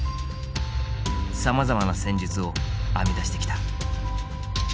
さまざまな戦術を編み出してきた。